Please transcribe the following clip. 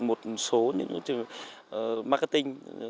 một số những marketing